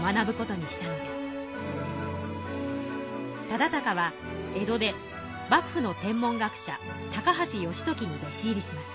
忠敬は江戸でばく府の天文学者高橋至時に弟子入りします。